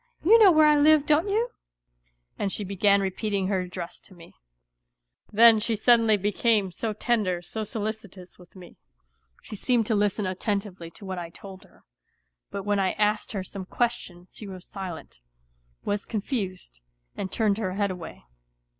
You know where I live, don't you ?" And she began repeating her address to me. WHITE NIGHTS 37 Then she suddenly became so tender, so solicitous with me. She seemed to listen attentively to what I told her ; but when I asked her some question she was silent, was confused, and turned her head away.